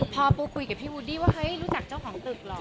พอปูคุยกับพี่วูดดี้ว่าเฮ้ยรู้จักเจ้าของตึกเหรอ